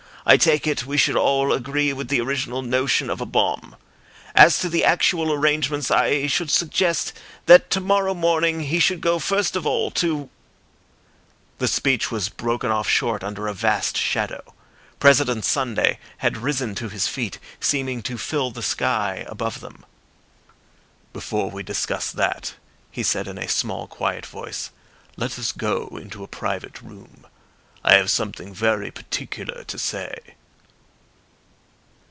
I take it we should all agree with the original notion of a bomb. As to the actual arrangements, I should suggest that tomorrow morning he should go first of all to—" The speech was broken off short under a vast shadow. President Sunday had risen to his feet, seeming to fill the sky above them. "Before we discuss that," he said in a small, quiet voice, "let us go into a private room. I have something very particular to say."